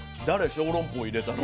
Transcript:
小籠包入れたの。